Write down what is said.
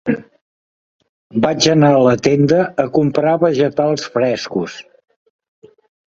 Vaig anar a la tenda a comprar vegetals frescos.